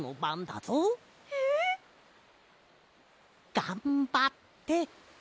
がんばって。